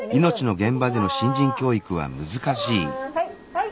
はい！